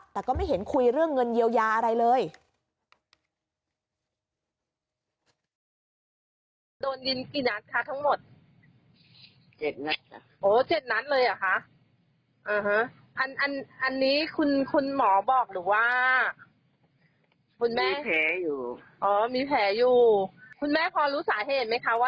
แต่ก็ไม่เห็นคุยเรื่องเงินเยียวยาอะไรเลย